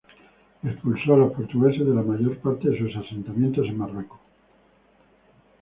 Expulsó a los portugueses de la mayor parte de sus asentamientos en Marruecos.